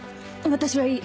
私はいい。